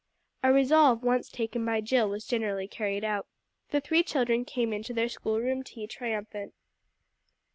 A resolve once taken by Jill was generally carried out. The three children came in to their school room tea triumphant.